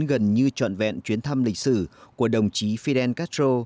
gần như trọn vẹn chuyến thăm lịch sử của đồng chí fidel castro